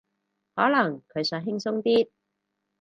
可能佢想輕鬆啲